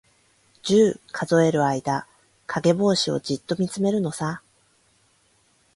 十、数える間、かげぼうしをじっとみつめるのさ。